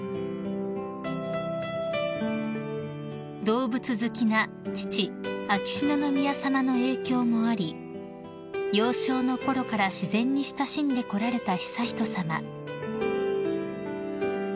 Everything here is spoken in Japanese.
［動物好きな父秋篠宮さまの影響もあり幼少のころから自然に親しんでこられた悠仁さま］